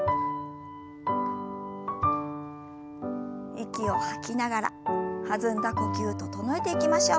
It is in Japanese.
息を吐きながら弾んだ呼吸整えていきましょう。